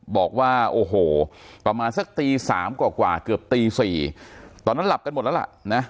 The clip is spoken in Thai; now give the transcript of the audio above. บอกว่าโอ้โหประมาณสักตี๓กว่าเกือบตี๔ตอนนั้นหลับกันหมดแล้วล่ะนะ